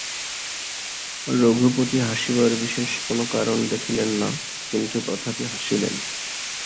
রঘুপতি হাসিবার বিশেষ কোনো কারণ দেখিলেন না, কিন্তু তথাপি হাসিলেন।